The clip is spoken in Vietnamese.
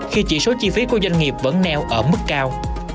khi chỉ số chi phí của doanh nghiệp vẫn neo ở mức cao